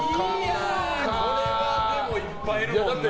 これはでもいっぱいいるもんな。